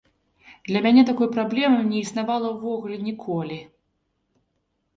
Для мяне такой праблемы не існавала ўвогуле ніколі.